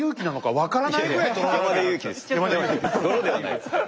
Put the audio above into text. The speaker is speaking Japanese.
泥ではないですから。